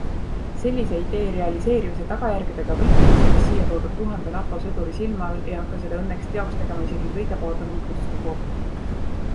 Sellise idee realiseerimise tagajärgedega võitlemiseks siia toodud tuhande NATO sõduri silme all ei hakka seda õnneks teoks tegema isegi kõige paadunum russofoob.